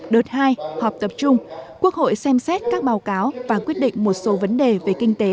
đợt hai họp tập trung quốc hội xem xét các báo cáo và quyết định một số vấn đề về kinh tế